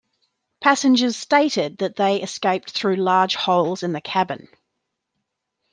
Passengers stated that they escaped through large holes in the cabin.